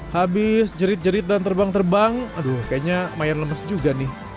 habis jerit jerit dan terbang terbang aduh kayaknya lumayan lemes juga nih